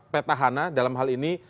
peta hana dalam hal ini